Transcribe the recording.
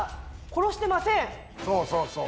そうそうそう。